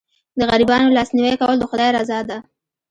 د غریبانو لاسنیوی کول د خدای رضا ده.